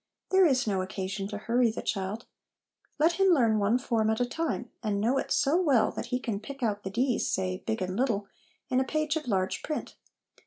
There is no occasion to hurry the child : let him learn one form at a time, and know it so well that he can pick out the d's, say, big and little, in a page of large print.